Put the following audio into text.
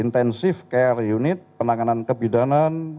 intensive care unit penanganan kebidanan